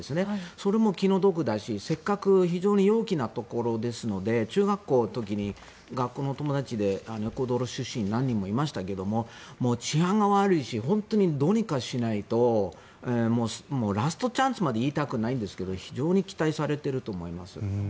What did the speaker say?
それも気の毒だし、せっかく非常に陽気なところですので中学校の時に学校の友達でエクアドル出身何人もいましたがもう治安が悪いし本当にどうにかしないとラストチャンスとまでは言いたくないんですけど非常に期待されていると思います。